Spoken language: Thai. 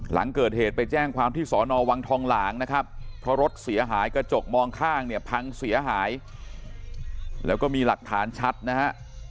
หลังเกิดเหตุไปแจ้งความที่สอนอวังทองหลางนะครับเพราะรถเสียหายกระจกมองข้างเนี่ยพังเสียหายแล้วก็มีหลักฐานชัดนะฮะ